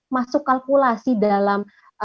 masuk kalkulasi dalam